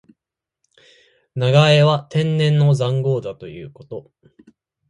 長江は天然の塹壕だということ。